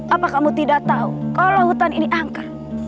apa kamu tidak tahu kalau lautan ini angka